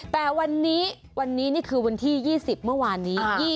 แต่วันนี้วันนี้นี่คือวันที่๒๐เมื่อวานนี้